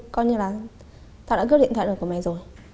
coi như là tao đã cướp điện thoại của mày rồi